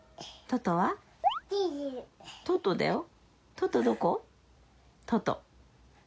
トト！